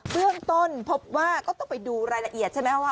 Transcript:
เบื้องต้นพบว่าก็ต้องไปดูรายละเอียดใช่ไหมว่า